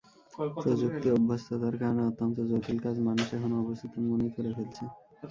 প্রযুক্তি অভ্যস্ততার কারণে অত্যন্ত জটিল কাজ মানুষ এখন অবচেতন মনেই করে ফেলছে।